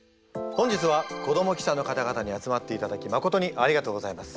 本日は子ども記者の方々に集まっていただきまことにありがとうございます。